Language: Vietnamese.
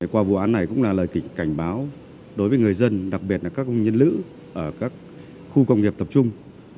qua vụ án này cũng là lời cảnh báo đối với người dân đặc biệt là các công nhân nữ ở các khu công nghiệp tập trung